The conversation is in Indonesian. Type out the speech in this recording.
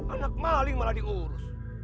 anak maling malah diurus